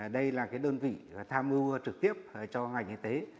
đây là đơn vị tham mưu trực tiếp cho ngành y tế